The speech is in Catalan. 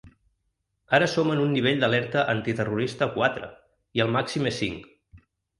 Ara som en un nivell d’alerta antiterrorista quatre, i el màxim és cinc.